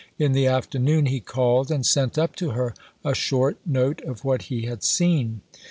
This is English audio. In the afternoon he called and sent up to her a short note of what he had seen.